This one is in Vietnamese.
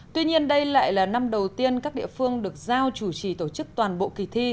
tuy nhiên đây lại là năm đầu tiên các địa phương được giao chủ trì tổ chức toàn bộ kỳ thi